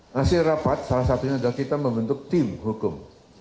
hasil rapat salah satunya adalah kita membentuk tim hukum